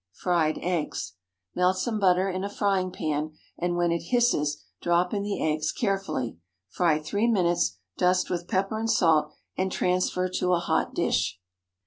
FRIED EGGS. Melt some butter in a frying pan, and when it hisses drop in the eggs carefully. Fry three minutes; dust with pepper and salt, and transfer to a hot dish.